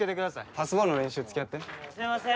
パスボールの練習つきあってすいません